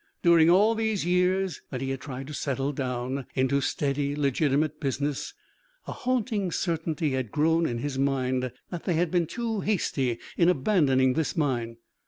During all these years that he had tried to settle down into steady, legitimate business a haunting certainty had grown in his mind that they had been too hasty in abandoning this mine.